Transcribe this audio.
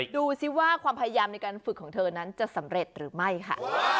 ดูสิว่าความพยายามในการฝึกของเธอนั้นจะสำเร็จหรือไม่ค่ะ